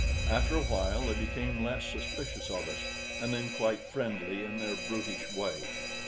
After a while they became less suspicious of us and then quite friendly in their brutish way.